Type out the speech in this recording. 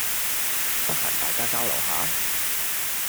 得閒大家交流下